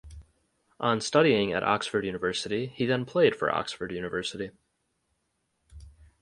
On studying at Oxford University he then played for Oxford University.